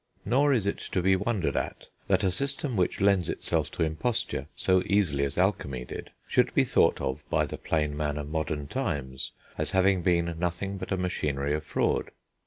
Nor is it to be wondered at that a system which lends itself to imposture so easily as alchemy did, should be thought of by the plain man of modern times as having been nothing but a machinery of fraud.